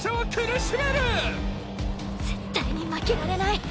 絶対に負けられない！